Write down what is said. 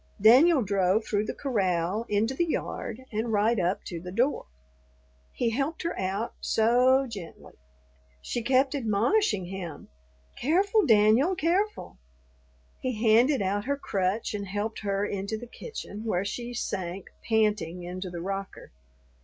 Daniel drove through the corral, into the yard, and right up to the door. He helped her out so gently. She kept admonishing him, "Careful, Danyul, careful." He handed out her crutch and helped her into the kitchen, where she sank, panting, into the rocker.